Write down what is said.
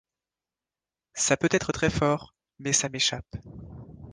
Ça peut être très-fort, mais ça m’échappe...